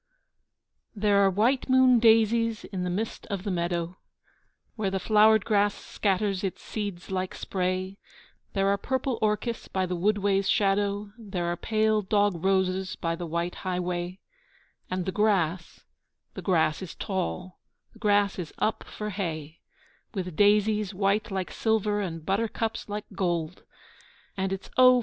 THERE are white moon daisies in the mist of the meadow Where the flowered grass scatters its seeds like spray, There are purple orchis by the wood ways' shadow, There are pale dog roses by the white highway; And the grass, the grass is tall, the grass is up for hay, With daisies white like silver and buttercups like gold, And it's oh!